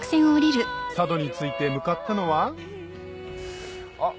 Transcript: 佐渡に着いて向かったのはあっ